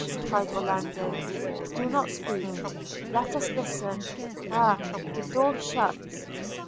cried Orlando, 'do not speak; let us listen – ha! The doors shuts!